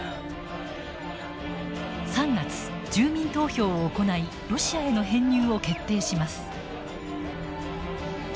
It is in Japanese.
３月住民投票を行いロシアへの編入を決定します。